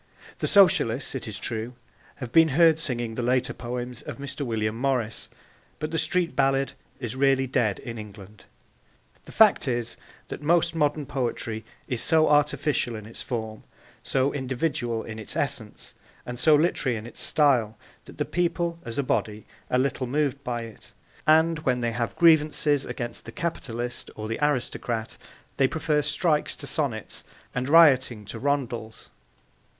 The Socialists, it is true, have been heard singing the later poems of Mr. William Morris, but the street ballad is really dead in England. The fact is that most modern poetry is so artificial in its form, so individual in its essence and so literary in its style, that the people as a body are little moved by it, and when they have grievances against the capitalist or the aristocrat they prefer strikes to sonnets and rioting to rondels.